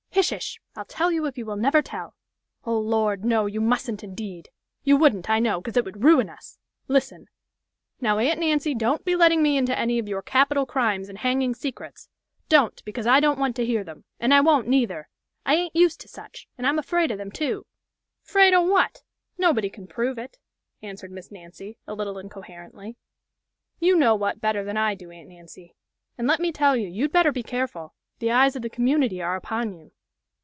"Hish ish! I'll tell you if you will never tell. Oh, Lord, no, you mustn't indeed! You wouldn't, I know, 'cause it would ruin us! Listen " "Now, Aunt Nancy, don't be letting me into any of your capital crimes and hanging secrets don't, because I don't want to hear them, and I won't neither! I ain't used to such! and I'm afraid of them, too!" "'Fraid o' what? Nobody can prove it," answered Miss Nancy, a little incoherently. "You know what better than I do, Aunt Nancy; and let me tell you, you'd better be careful. The eyes of the community are upon you."